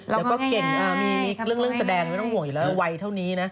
แล้วก็เก่งมีเรื่องแสดงโหงห่วงอีกแล้วไวเท่านี้นะ